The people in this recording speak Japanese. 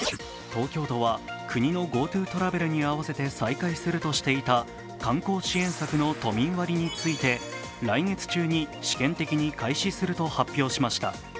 東京都は国のＧｏＴｏトラベルに合わせて再開するとしていた観光支援策の都民割について来月中に試験的に開始すると発表しました。